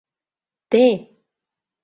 Те!